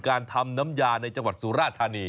การทำน้ำยาในจังหวัดสุราธานี